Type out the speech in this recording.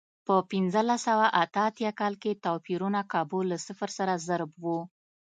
په پنځلس سوه اته اتیا کال کې توپیرونه کابو له صفر سره ضرب و.